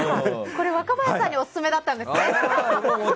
若林さんにオススメだったんですね。